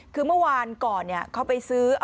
คือเมื่อวานก่อนเขาไปซื้อ